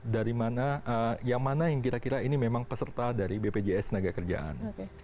dari mana yang mana yang kira kira ini memang peserta dari bpjs tenaga kerjaan